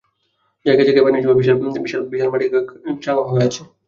জায়গায় জায়গায় পানি জমে বিশাল বিশাল মাটির চাঙর কাদা-কাদা হয়ে আছে।